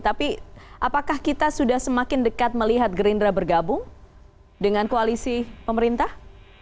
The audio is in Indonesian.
tapi apakah kita sudah semakin dekat melihat gerindra bergabung dengan koalisi pemerintah